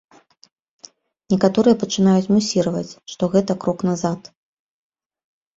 Некаторыя пачынаюць мусіраваць, што гэта крок назад.